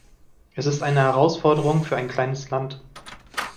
Es ist eine Herausforderung für ein kleines Land.